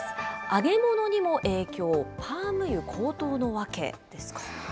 揚げ物にも影響、パーム油高騰の訳ですか。